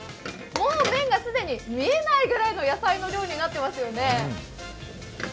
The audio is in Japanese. もう麺が既に見えないぐらいの野菜の量になってますよね。